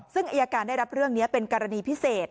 ซึ่งอายการได้รับเรื่องนี้เป็นกรณีพิเศษ